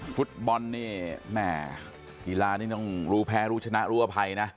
ฟุตบอลนี่แม่กีฬานี่ต้องรู้แพ้รู้ชนะรู้อภัยนะ